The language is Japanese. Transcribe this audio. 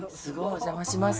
お邪魔します。